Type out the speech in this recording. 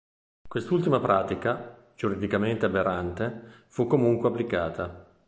Quest'ultima pratica, giuridicamente aberrante, fu comunque applicata.